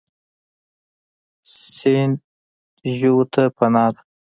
سیند ژویو ته پناه ده.